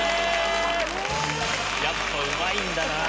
やっぱうまいんだな。